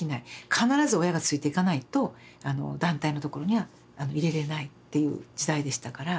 必ず親がついていかないと団体のところには入れれないっていう時代でしたから。